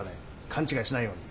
勘違いしないように。